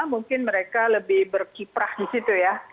mungkin mereka lebih berkiprah di situ ya